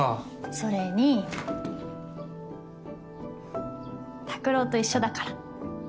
それに卓郎と一緒だから。